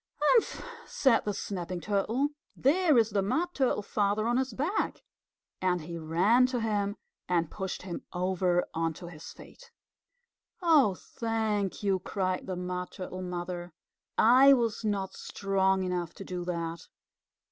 "Humph!" said the Snapping Turtle. "There is the Mud Turtle Father on his back." And he ran to him and pushed him over onto his feet. "Oh, thank you," cried the Mud Turtle Mother. "I was not strong enough to do that."